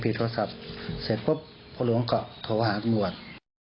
พระหลวงก็ก่อนโทรหาตรวจ